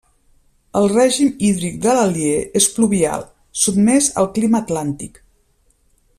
El règim hídric de l'Alier és pluvial, sotmès al clima atlàntic.